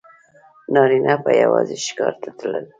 نارینه به یوازې ښکار ته تلل.